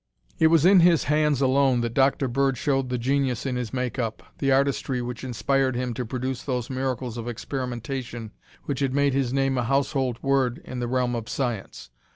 It was in his hands alone that Dr. Bird showed the genius in his make up, the artistry which inspired him to produce those miracles of experimentation which had made his name a household word in the realm of science.